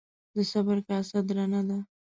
د صبر کاسه درنه ده.